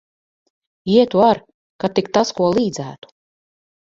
Ietu ar, kad tik tas ko līdzētu.